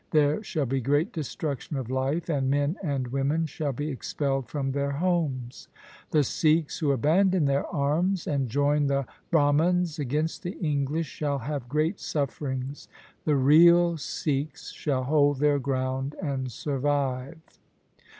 There shall be great destruction of life, and men and women shall be expelled from their homes. The Sikhs who abandon their arms and join the Brah mans against the English, shall have great sufferings. The real Sikhs shall hold their ground and survive.'